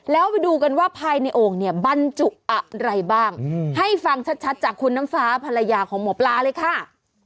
แล้วไปดูกันว่าภายในโอ่งเนี่ยบรรจุอะไรบ้างให้ฟังชัดจากคุณน้ำฟ้าภรรยาของหมอปลาเลยค่ะ